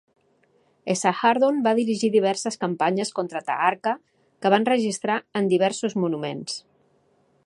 Esarhaddon va dirigir diverses campanyes contra Taharqa, que va enregistrar en diversos monuments.